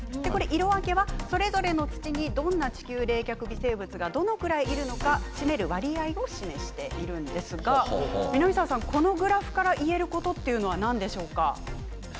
色分けはそれぞれの土にどんな地球冷却微生物がどのくらいいるのか占める割合を示しているんですが南澤先生、この割合からいえることはなんでしょうか？